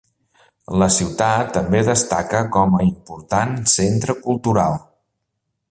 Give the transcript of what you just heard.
La ciutat també destaca com a important centre cultural.